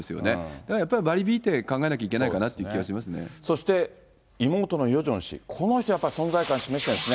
だからやっぱり割り引いて考えなきゃいけないかなって気はしますそして、妹のヨジョン氏、この人やっぱり存在感示してるんですね。